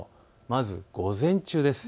まず午前中です。